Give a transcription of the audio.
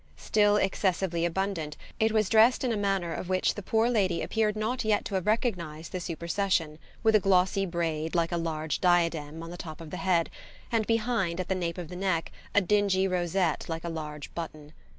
Still excessively abundant, it was dressed in a manner of which the poor lady appeared not yet to have recognised the supersession, with a glossy braid, like a large diadem, on the top of the head, and behind, at the nape of the neck, a dingy rosette like a large button.